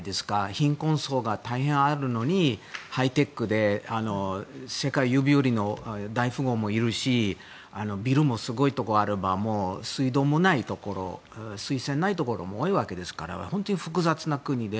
貧困層が大変あるのにハイテクで世界指折りの大富豪もいるしビルもすごいところがあれば水道もないところ水栓のないところも多いわけですから本当に複雑な国で。